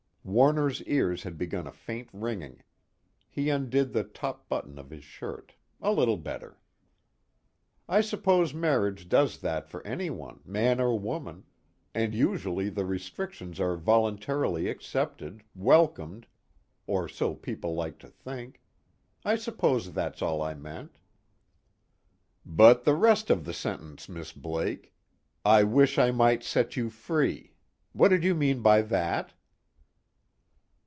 Warner's ears had begun a faint ringing; he undid the top button of his shirt a little better. "I suppose marriage does that for anyone, man or woman, and usually the restrictions are voluntarily accepted, welcomed, or so people like to think. I suppose that's all I meant." "But the rest of the sentence, Miss Blake 'I wish I might set you free' what did you mean by that?"